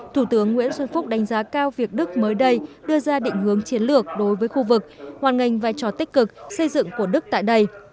thủ tướng nguyễn xuân phúc đánh giá cao việc đức mới đây đưa ra định hướng chiến lược đối với khu vực hoàn ngành vai trò tích cực xây dựng của đức tại đây